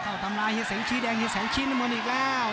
เข้าทำลายเหรียดแสงชีแดงเหรียดแสงชีนมะนิดแล้ว